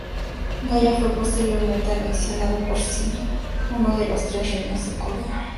Gaya fue posteriormente anexionado por Silla, uno de los Tres Reinos de Corea.